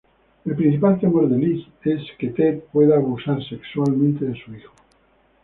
El principal temor de Liz es que Ted pueda abusar sexualmente de su hijo.